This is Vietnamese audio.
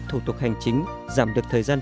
thủ tục hành chính giảm được thời gian